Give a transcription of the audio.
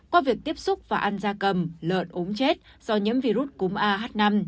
qua việc tiếp xúc và ăn da cầm lợn ốm chết do nhiễm virus cúm ah năm